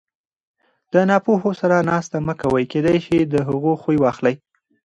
د ناپوهو سره ناسته مه کوئ! کېداى سي د هغو خوى واخلى!